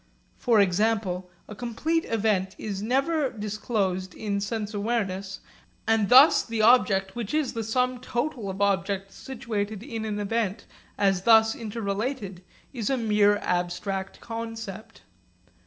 For example, a complete event is never disclosed in sense awareness, and thus the object which is the sum total of objects situated in an event as thus inter related is a mere abstract concept.